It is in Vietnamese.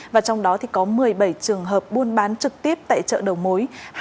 và trong đó có một mươi bảy trường hợp buôn bán trực tiếp tại chợ đầu mối